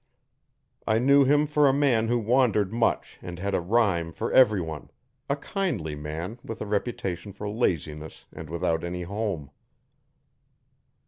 I knew him for a man who wandered much and had a rhyme for everyone a kindly man with a reputation for laziness and without any home.